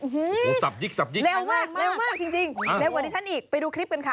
โอ้โฮสับยิกมากมากจริงเร็วกว่าดิฉันอีกไปดูคลิปกันค่ะ